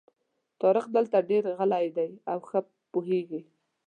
طارق دلته ډېر راغلی دی او ښه پوهېږي.